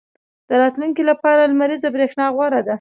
• د راتلونکي لپاره لمریزه برېښنا غوره ده.